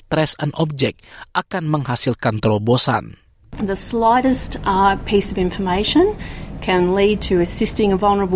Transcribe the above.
trash an object akan menghasilkan terobosan